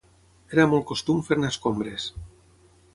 era molt costum fer-ne escombres